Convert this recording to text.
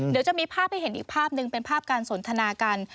เดี๋ยวจะมีภาพให้เห็นอีกภาพหนึ่งเป็นภาพการสนทนากัน